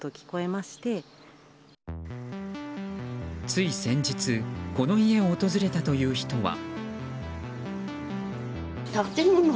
つい先日、この家を訪れたという人は。